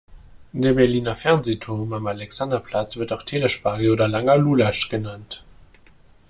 Der Berliner Fernsehturm am Alexanderplatz wird auch Telespagel oder langer Lulatsch genannt.